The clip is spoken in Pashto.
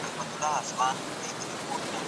شتمن خلګ باید په پروژو کي پانګونه وکړي.